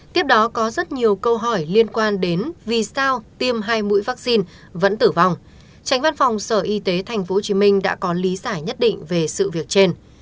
tránh văn phòng sở y tế tp hcm đã có lý giải nhất định về sự việc trên